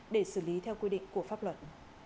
để xử lý theo quy định của pháp luật